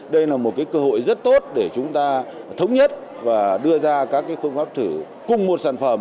đây là một cơ hội rất tốt để chúng ta thống nhất và đưa ra các phương pháp thử cùng một sản phẩm